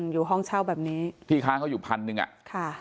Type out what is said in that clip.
อยู่ห้องเช่าแบบนี้พี่ค้างเขาอยู่๑๐๐๐บาท